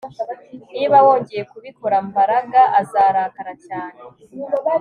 Niba wongeye kubikora Mbaraga azarakara cyane